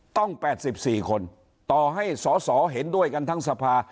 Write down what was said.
ต้อง๘๔คนต่อให้สอสอเห็นด้วยกันทั้งสภา